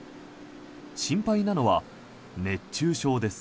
心配なのは熱中症です。